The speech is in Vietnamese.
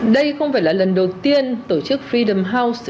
đây không phải là lần đầu tiên tổ chức fidam house